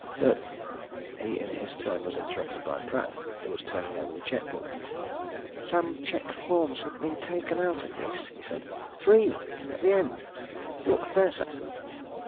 But " He in his turn was interrupted by Pratt, who was turning over the cheque book. "Some cheque forms have been taken out of this," he said. "Three! at the end. Look there, sir!"